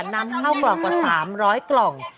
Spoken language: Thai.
นำเข้ากล่องกว่า๓๐๐กล่อง